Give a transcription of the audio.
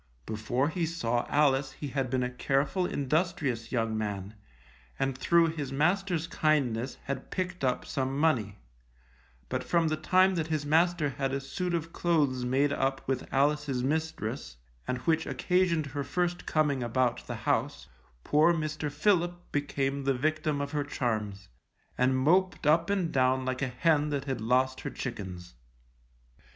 Before be saw Alice he had been a careful, industrious young man, and through his master's kindness had picked up some money; but from the time that his master had a suit of clothes made up with Alice's mistress, and which occasioned her first coming about the house, poor Mr. Philip became the victim of her charms, and moped up and down like a hen that had lost her chickens.